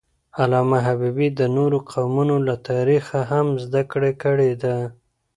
علامه حبیبي د نورو قومونو له تاریخه هم زدهکړه کړې ده.